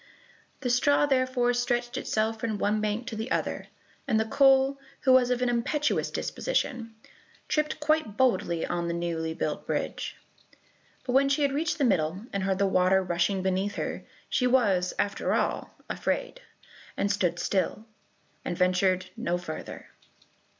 The straw therefore stretched itself from one bank to the other, and the coal, who was of an impetuous disposition, tripped quite boldly on to the newly built bridge. But when she had reached the middle, and heard the water rushing beneath her, she was, after all, afraid, and stood still, and ventured no farther.